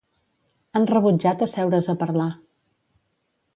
Han rebutjat asseure’s a parlar